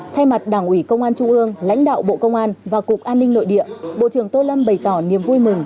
thay mặt đảng ủy công an trung ương lãnh đạo bộ công an và cục an ninh nội địa bộ trưởng tô lâm bày tỏ niềm vui mừng